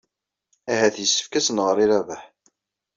Ahat yessefk ad as-nɣer i Rabaḥ.